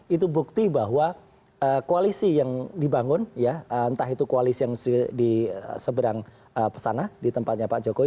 itu bukti bahwa koalisi yang dibangun ya entah itu koalisi yang di seberang pesana di tempatnya pak jokowi